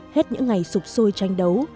hết những ngày sụp sôi tranh đấu